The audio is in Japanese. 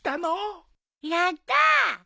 やったー！